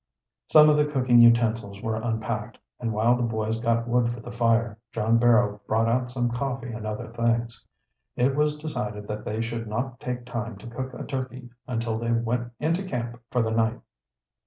Some of the cooking utensils were unpacked, and while the boys got wood for the fire, John Barrow brought out some coffee and other things. It was decided that they should not take time to cook a turkey until they went into camp for the night.